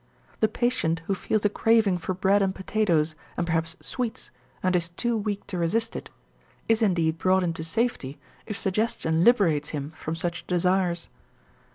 The patient who feels a craving for bread and potatoes and perhaps sweets, and is too weak to resist it, is indeed brought into safety if suggestion liberates him from such desires.